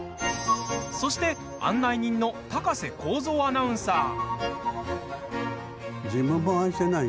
そして、案内人の高瀬耕造アナウンサー。